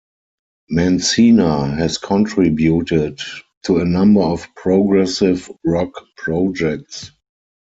Mancina has contributed to a number of progressive rock projects.